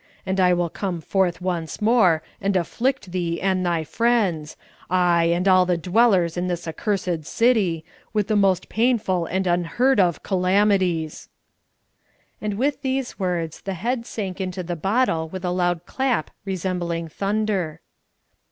And I will come forth once more, and afflict thee and thy friends ay, and all the dwellers in this accursed city with the most painful and unheard of calamities." And, with these words, the head sank into the bottle with a loud clap resembling thunder.